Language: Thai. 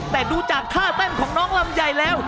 แต่ดูจากท่าเต้นของน้องลำไยแล้ว